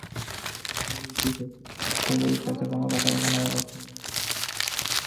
দুটি কক্ষে চেয়ার-টেবিল পেতে কর্মকর্তারা কোনোমতে বসতে পারলেও বাকি কক্ষটি পরিত্যক্ত।